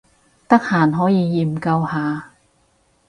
得閒可以研究下